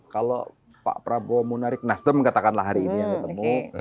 kalau pak prabowo munarik nasdem katakanlah hari ini yang ditemu